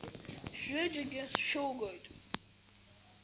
Шәҩыџьагьы сшәылгоит.